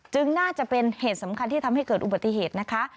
น่าจะเป็นเหตุสำคัญที่ทำให้เกิดอุบัติเหตุนะคะ